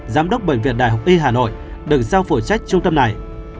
giám đốc bệnh viện đại học y hà nội được giao phụ trách trung tâm này